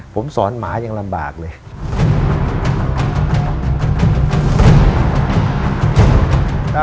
ผมสอนหมายังลำบากเลย